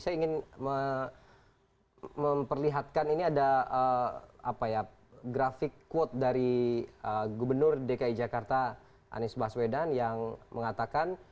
saya ingin memperlihatkan ini ada grafik quote dari gubernur dki jakarta anies baswedan yang mengatakan